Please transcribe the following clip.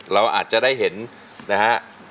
เราอาจจะได้เห็นนะฮะ